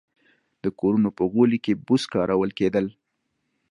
د کورونو په غولي کې بوس کارول کېدل.